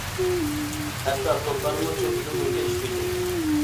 ھەتتا سوتلارمۇ شۇ تۈزۈم بويىچە ئىش بېجىرىدۇ.